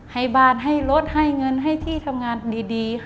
ให้บ้านให้รถให้เงินให้ที่ทำงานดีค่ะ